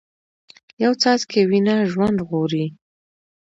یو څاڅکی وینه ژوند ژغوري